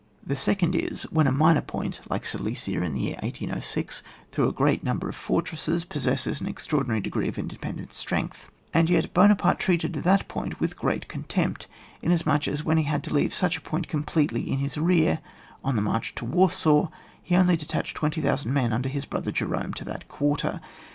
The second is: when a minor point (Uke Silesia in the year 1806), through a great number of fortresses, possesses an extraordinary degree of independent strength, ^d yet Buonaparte treated that point with great contempt, inas much as, when he had to leave such a point completely in his rear on the march to Warsaw, he only detached 20,000 men under his brother Jerome to that quarter.